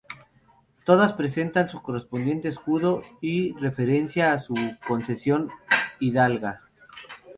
Todas presentan su correspondiente escudo y referencia a su concesión hidalga.